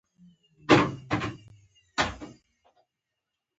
د تواب ژبه بنده شوه: